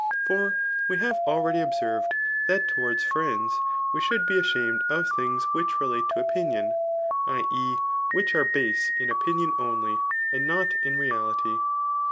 For we have already observed that towards friends^ we should be ashamed of things which relate to opinion, [i. e. which are base in opinion only, and not in reality.